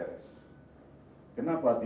kenapa tidak ibu tanyakan lebih jauh lagi